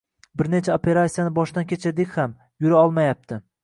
Bir necha operasiyani boshdan kechirdik ham, yura olmayapti